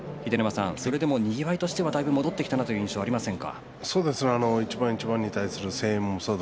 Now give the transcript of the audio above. それでもにぎわいとしてはだいぶ戻ってきたなという印象がありませんか。